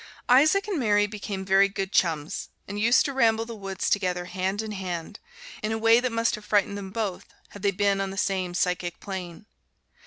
Isaac and Mary became very good chums, and used to ramble the woods together hand in hand, in a way that must have frightened them both had they been on the same psychic plane.